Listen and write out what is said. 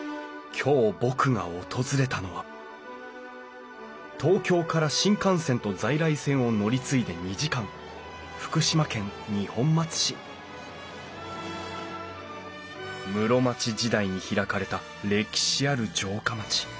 今日僕が訪れたのは東京から新幹線と在来線を乗り継いで２時間福島県二本松市室町時代に開かれた歴史ある城下町。